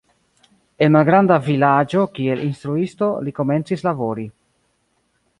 En malgranda vilaĝo kiel instruisto li komencis labori.